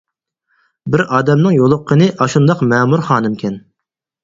بىر ئادەمنىڭ يولۇققىنى ئاشۇنداق مەمۇر خانىمكەن.